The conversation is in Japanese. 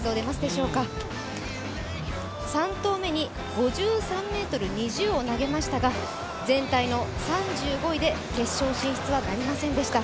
３投目に５３ｍ２０を投げましたが、全体の３５位で決勝進出はなりませんでした。